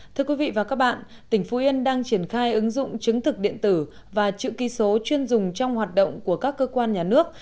thưa quý vị và các bạn tỉnh phú yên đang triển khai ứng dụng chứng thực điện tử và chữ ký số chuyên dùng trong hoạt động của các cơ quan nhà nước